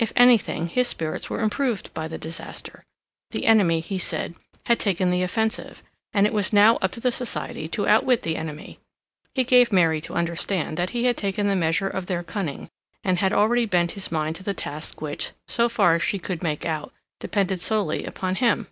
If anything, his spirits were improved by the disaster. The enemy, he said, had taken the offensive; and it was now up to the Society to outwit the enemy. He gave Mary to understand that he had taken the measure of their cunning, and had already bent his mind to the task which, so far as she could make out, depended solely upon him.